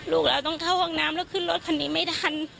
เราต้องเข้าห้องน้ำแล้วขึ้นรถคันนี้ไม่ทัน